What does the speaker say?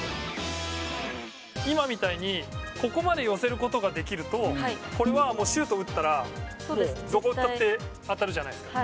今みたいにここまで寄せることができるとこれはもうシュート打ったらどこ打ったって当たるじゃないですか。